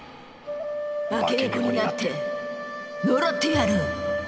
化け猫になって呪ってやる！